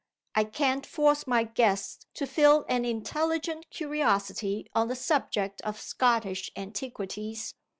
I can't force my guests to feel an intelligent curiosity on the subject of Scottish Antiquities.